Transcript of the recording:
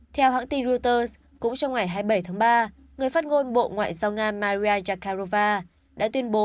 theo hãng tin reuters cũng trong ngày hai mươi bảy tháng ba người phát ngôn bộ ngoại giao nga maria zakharova đã tuyên bố